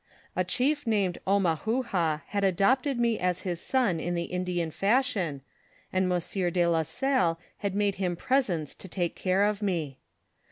A chief named Oumahouha had i lu|»ted me as his son in the Indian fashion and M. de la Salle had made him presents to take care of me.